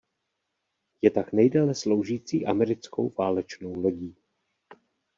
Je tak nejdéle sloužící americkou válečnou lodí.